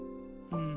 うん？